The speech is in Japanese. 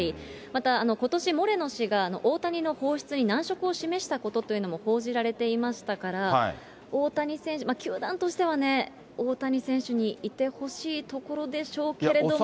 またことしモレノ氏が大谷の放出に難色を示したことというのも報じられていましたから、大谷選手、球団としてはね、大谷選手にいてほしいところでしょうけれども。